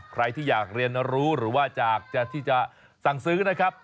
ใครที่อยากเรียนรู้หรือว่าอยากที่จะสั่งซื้อนะครับ